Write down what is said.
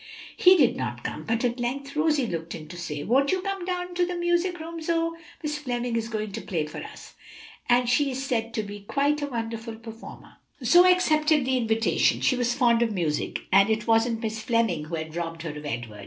He did not come, but at length Rosie looked in to say, "Won't you come down to the music room, Zoe? Miss Fleming is going to play for us, and she is said to be quite a wonderful performer." Zoe accepted the invitation; she was fond of music, and it wasn't Miss Fleming who had robbed her of Edward.